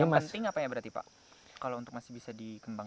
yang penting apa ya berarti pak kalau untuk masih bisa dikembangkan